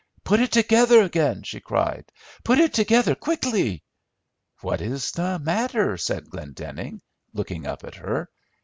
"Put it together again," she cried; "put it together quickly." "What is the matter?" said Glendenning, looking up at her.